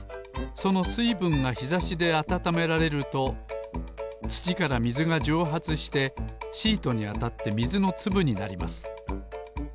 そのすいぶんがひざしであたためられるとつちからみずがじょうはつしてシートにあたってみずのつぶになります。